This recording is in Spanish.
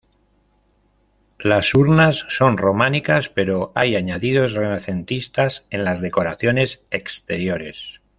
Las urnas son románicas, pero hay añadidos renacentistas en las decoraciones exteriores.